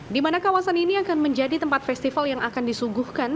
di mana kawasan ini akan menjadi tempat festival yang akan disuguhkan